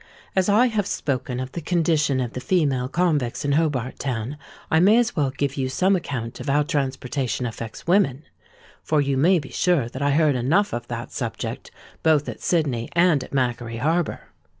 As I have spoken of the condition of the female convicts in Hobart Town, I may as well give you some account of how transportation affects women; for you may be sure that I heard enough of that subject both at Sydney and at Macquarie Harbour.